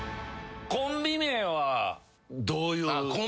コンビ名はどういう。